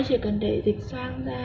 nó chỉ cần để dịch xoang ra